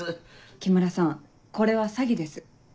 木村さんこれは詐欺です。